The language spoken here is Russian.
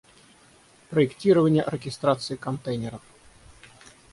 Проектирование оркестрации контейнеров